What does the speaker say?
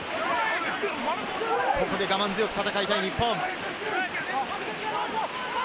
ここで我慢強く戦いたい日本。